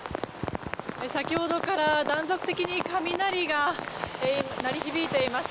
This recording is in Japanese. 先ほどから断続的に雷が鳴り響いています。